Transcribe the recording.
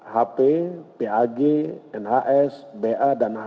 hp pag nhs ba dan h